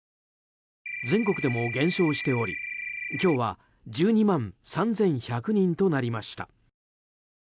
全国でも減少しており、今日は１２万３１００人となりました。